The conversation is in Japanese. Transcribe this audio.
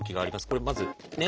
これまずね